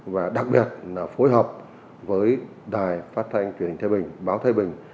và đặc biệt là phối hợp với đài phát thanh thế bình báo thế bình